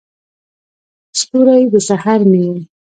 ستوری، د سحر مې یې